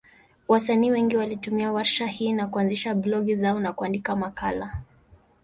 Wasanii wengi walitumia warsha hizi na kuanzisha blogi zao na kuandika makala.